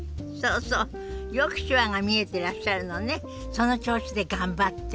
その調子で頑張って。